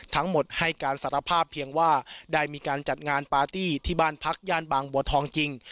ทั้งหมดให้การสารภาพเพียงว่าได้มีการจัดงานปาร์ตี้ที่บ้านพักย่านบางบัวทองจริง